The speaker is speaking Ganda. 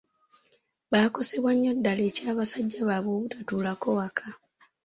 Bakosebwa nnyo naddala eky'abasajja baabwe obutatuulako waka.